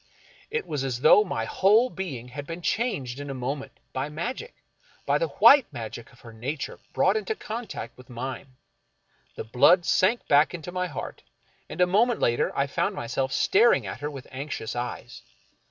It was as though my whole being had been changed in a moment by magic — by the white magic of her nature brought into contact with mine. The blood sank back to my heart, and a moment later I found myself staring at her with anxious eyes.